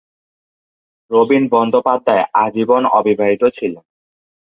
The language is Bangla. রবীন বন্দ্যোপাধ্যায় আজীবন অবিবাহিত ছিলেন।